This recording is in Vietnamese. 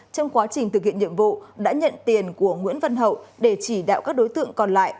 trong quá trình thực hiện nhiệm vụ đã nhận tiền của nguyễn văn hậu để chỉ đạo các đối tượng còn lại